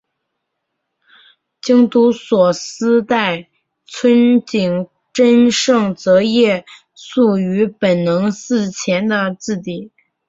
京都所司代村井贞胜则夜宿于本能寺前的自邸。